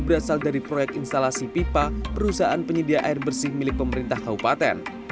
berasal dari proyek instalasi pipa perusahaan penyedia air bersih milik pemerintah kabupaten